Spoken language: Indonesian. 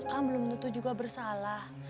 kan belum tentu juga bersalah